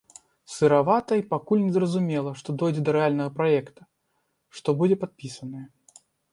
Сыравата, і пакуль незразумела, што дойдзе да рэальнага праекта, што будзе падпісанае.